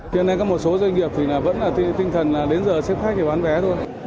khiến nên có một số doanh nghiệp thì vẫn là tinh thần đến giờ xếp khách để bán vé thôi